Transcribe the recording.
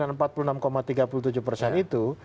dan empat puluh enam tiga puluh tujuh persen itu